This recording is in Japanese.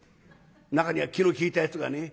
中には気の利いたやつがね